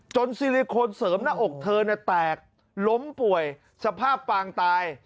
ซิลิโคนเสริมหน้าอกเธอแตกล้มป่วยสภาพปางตาย